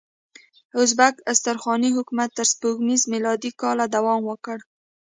ازبک استرخاني حکومت تر سپوږمیز میلادي کاله دوام وکړ.